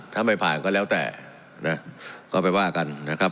ถ้าไม่ผ่านก็แล้วแต่นะก็ไปว่ากันนะครับ